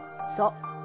そう。